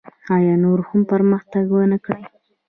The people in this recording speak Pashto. آیا نور هم پرمختګ ونکړي؟